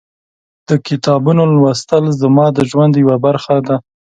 د کتابونو لوستل زما د ژوند یوه برخه ده.